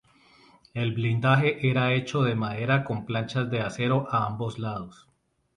El blindaje era hecho de madera con planchas de acero a ambos lados.